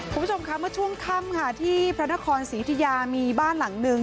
คุณผู้ชมค่ะเมื่อช่วงค่ำค่ะที่พระนครศรียุธิยามีบ้านหลังนึง